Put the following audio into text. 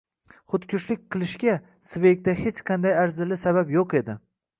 Xudkushlik qilishga Sveygda hech qanday arzirli sabab yo`q edi